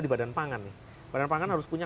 di badan pangan nih badan pangan harus punya